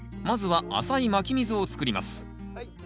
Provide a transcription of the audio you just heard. まずは浅いまき溝を作ります。